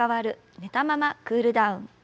寝たままクールダウン。